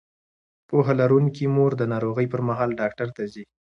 پوهه لرونکې مور د ناروغۍ پر مهال ډاکټر ته ځي.